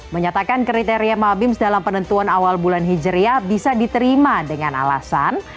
menyatakan kriteria mabims dalam penentuan awal bulan hijriah bisa diterima dengan alasan